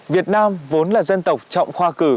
việt nam vốn là dân tộc trọng khoa cử